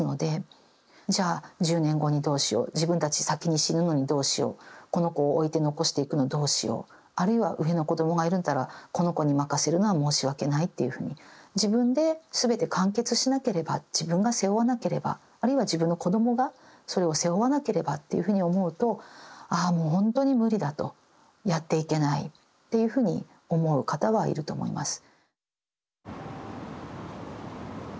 じゃあ１０年後にどうしよう自分たち先に死ぬのにどうしようこの子を置いて残していくのどうしようあるいは上の子どもがいるんならこの子に任せるのは申し訳ないというふうに自分で全て完結しなければ自分が背負わなければあるいは自分の子どもがそれを背負わなければっていうふうに思うとああほんとに無理だとやっていけないっていうふうに思う方はいると思います。